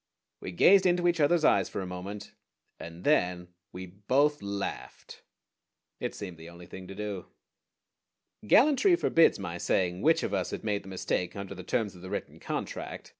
We gazed into each other's eyes for a moment, and then we both laughed. It seemed the only thing to do. Gallantry forbids my saying which of us had made the mistake under the terms of the written contract.